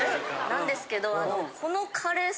なんですけど。